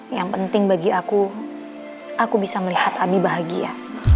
yang penting bagi aku aku bisa melihat abi bahagia